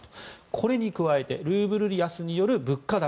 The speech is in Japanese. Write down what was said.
これに加えてルーブル安による物価高